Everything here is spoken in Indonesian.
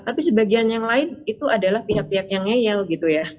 tapi sebagian yang lain itu adalah pihak pihak yang ngeyel gitu ya